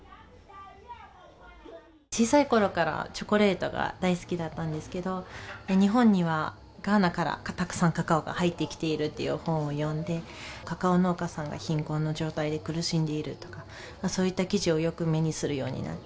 小さいころからチョコレートが大好きだったんですけど日本にはガーナからたくさんカカオが入ってきているっていう本を読んでカカオ農家さんが貧困の状態で苦しんでいるとかそういった記事をよく目にするようになって。